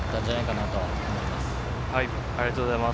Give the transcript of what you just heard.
ありがとうございます。